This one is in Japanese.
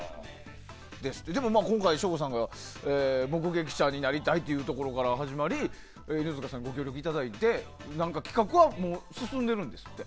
でも、今回は省吾さんが目撃者になりたいというところから始まり犬塚さんにご協力いただいてもう企画は進んでるんですって。